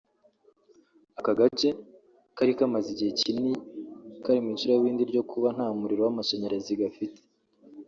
Aka gace kari kamaze igihe kinini kari mu icuraburindi ryo kuba nta muriro w’amashanyarazi gafite